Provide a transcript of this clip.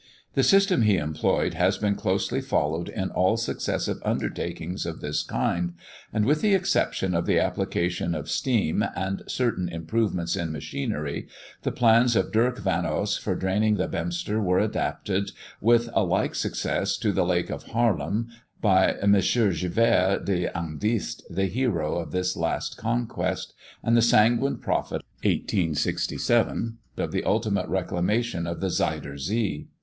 The system he employed has been closely followed in all successive undertakings of this kind; and, with the exception of the application of steam, and certain improvements in machinery, the plans of Dirck van Oss for draining the Beemster were adapted with a like success to the Lake of Haarlem, by M. Gevers d'Endegeest, the hero of this last conquest, and the sanguine prophet (1867) of the ultimate reclamation of the Zuyder Zee.